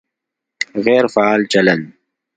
غیر فعال چلند